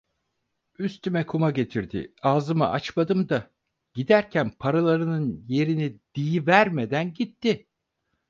Üstüme kuma getirdi, ağzımı açmadım da, giderken paralarının yerini diyivermeden gitti…